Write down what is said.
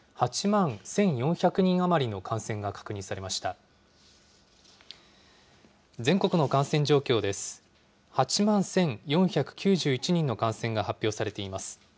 ８万１４９１人の感染が発表されています。